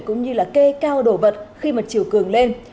cũng như là kê cao đổ bật khi mà chiều cường lên